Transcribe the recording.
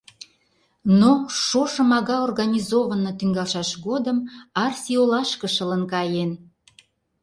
Но, шошым ага организованно тӱҥалшаш годым Арси олашке шылын каен.